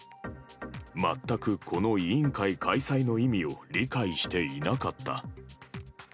全くこの委員会開催の意味を理解していなかった。